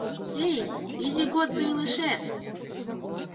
Эй, изи годсо илышет!..